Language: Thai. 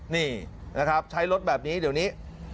นี่ใช้รถแบบนี้เดี๋ยวนี้